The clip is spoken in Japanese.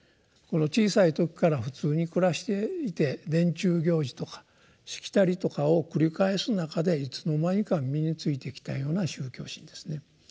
小さい時から普通に暮らしていて年中行事とかしきたりとかを繰り返す中でいつの間にか身についてきたような宗教心ですね。